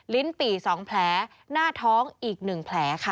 ลิ้นปี่สองแผลหน้าท้องอีกหนึ่งแผล